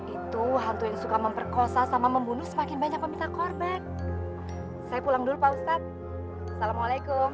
itu hantu yang suka memperkosa sama membunuh semakin banyak peminta korban